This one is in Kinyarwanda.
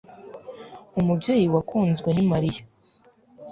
umubyeyi wakunzwe ni mariya